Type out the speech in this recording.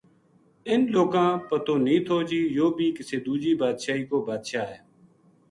انھ لوکاں پتو نیہہ تھو جی یوہ بھی کسے دوجی بادشاہی کو بادشاہ ہے